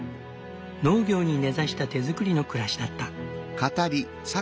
農業に根ざした手作りの暮らしだった。